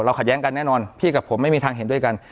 ขัดแย้งกันแน่นอนพี่กับผมไม่มีทางเห็นด้วยกัน